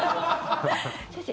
先生